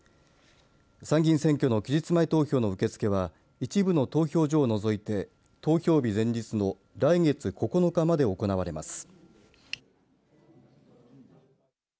参議院選挙の期日前投票の受け付けは一部の投票所を除いて投票日前日の来月９日まで行われます。